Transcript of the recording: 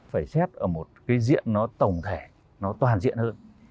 phải xét ở một cái diện nó tổng thể nó toàn diện hơn